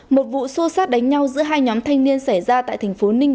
một vụ xô xát đánh nhau giữa hai nhóm thanh niên xảy ra tại thành phố ninh